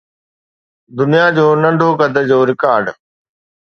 دنيا جو ننڍو قد جو رڪارڊ